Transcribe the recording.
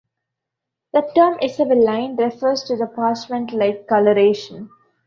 The term "isabelline" refers to the parchment-like colouration.